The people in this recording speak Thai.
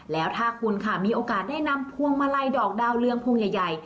แล้วถ้าคุณค่ะมีโอกาสได้นำพวงมาลัยดอกดาวเรืองพวงใหญ่